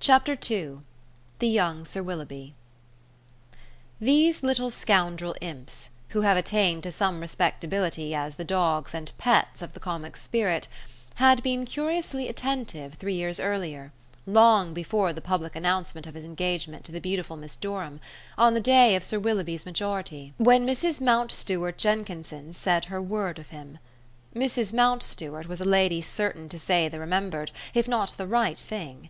CHAPTER II THE YOUNG SIR WILLOUGHBY These little scoundrel imps, who have attained to some respectability as the dogs and pets of the Comic Spirit, had been curiously attentive three years earlier, long before the public announcement of his engagement to the beautiful Miss Durham, on the day of Sir Willoughby's majority, when Mrs. Mountstuart Jenkinson said her word of him. Mrs. Mountstuart was a lady certain to say the remembered, if not the right, thing.